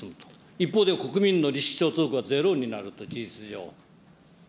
一方で国民のはゼロになる、事実上。